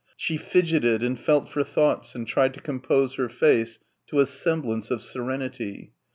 She fidgeted and felt for thoughts and tried to compose her face to a semblance of serenity.